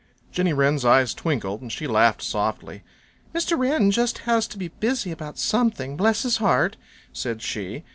Jenny Wren's eyes twinkled, and she laughed softly. "Mr. Wren just has to be busy about something, bless his heart," said she.